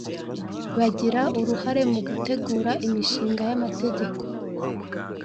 Bagira uruhare mu gutegura imishinga y’amategeko